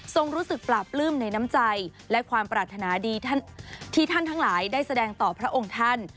รู้สึกปราบปลื้มในน้ำใจและความปรารถนาดีที่ท่านทั้งหลายได้แสดงต่อพระองค์ท่าน